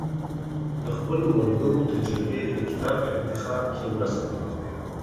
د خپلو ملګرو تجربې د کتاب په انتخاب کې مرسته کوي.